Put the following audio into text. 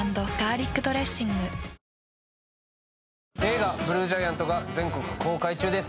映画「ＢＬＵＥＧＩＡＮＴ」が全国公開中です。